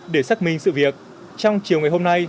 để xác minh sự việc trong chiều ngày hôm nay